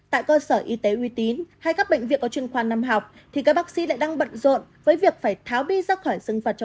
tại cơ sở y tế uy tín hay các bệnh viện có truyền khoa năm học thì các bác sĩ lại đang bận rộn với việc phải tháo bi ra khỏi dương vật